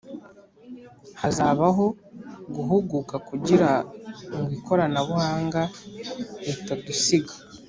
hazabaho guhuguka kugira ngo ikoranabuhanga ritadusiga